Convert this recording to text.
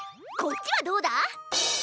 こっちはどうだ？